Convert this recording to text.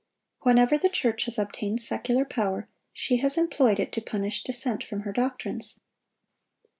Whenever the church has obtained secular power, she has employed it to punish dissent from her doctrines.